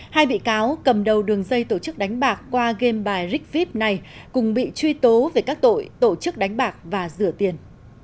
hai bị cáo cầm đầu đường dây tổ chức đánh bạc qua game bài rigvip này cùng bị truy tố về các tội tổ chức đánh bạc và rửa tiền